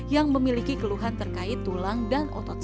yang memiliki keluhan terkait tulang dan otot